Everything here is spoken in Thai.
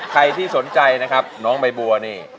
ใครที่สนใจนะครับน้องใบบัวนี่